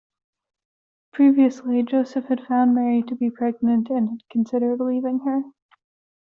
Previously Joseph had found Mary to be pregnant and had considered leaving her.